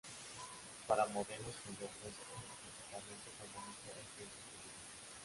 Para modelos convexos, el comportamiento económico es bien comprendido.